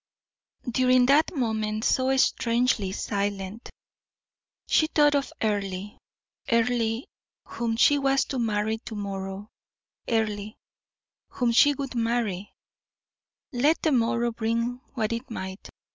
During that moment so strangely silent she thought of Earle Earle, whom she was to marry to morrow Earle, whom she would marry, let the morrow bring what it might.